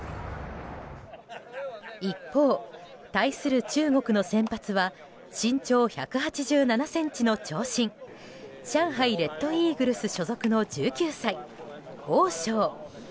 一方、対する中国の先発は身長１８７ｃｍの長身上海レッドイーグルス所属の１９歳、オウ・ショウ。